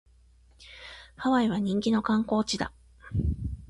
ハワイは人気の観光地だ